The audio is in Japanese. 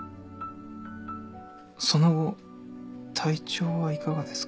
「その後体調はいかがですか？」